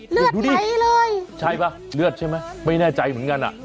เห็นดูดิใช่ป่ะเลือดใช่มั้ยไม่แน่ใจเหมือนกันอะ